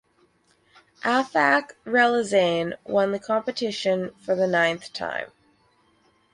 Afak Relizane won the competition for the ninth time.